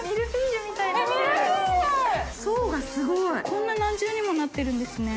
こんなに何重にもなってるんですね。